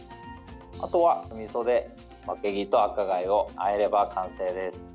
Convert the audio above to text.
あとは、酢みそでわけぎと赤貝をあえれば完成です。